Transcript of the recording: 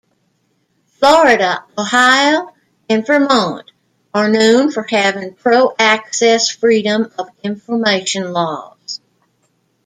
Florida, Ohio, and Vermont are known for having pro-access freedom of information laws.